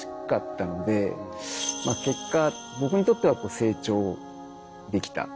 結果僕にとっては成長できた。